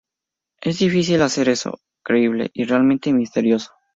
Es difícil hacer eso creíble y realmente misterioso.